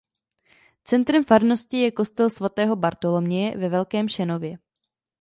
Centrem farnosti je kostel svatého Bartoloměje ve Velkém Šenově.